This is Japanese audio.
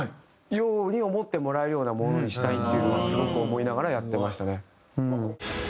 思ってもらえるようなものにしたいっていうのはすごく思いながらやってましたね。